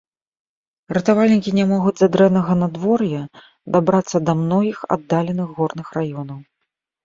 Ратавальнікі не могуць з-за дрэннага надвор'я дабрацца да многіх аддаленых горных раёнаў.